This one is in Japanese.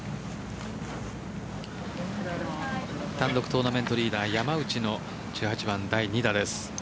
単独トーナメントリーダー山内の１８番第２打です。